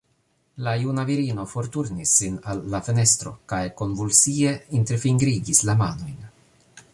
La juna virino forturnis sin al la fenestro kaj konvulsie interfingrigis la manojn.